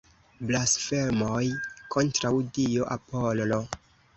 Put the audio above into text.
Blasfemoj kontraŭ dio Apollo!